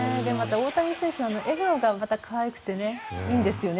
大谷選手の笑顔がまた可愛くていいんですよね。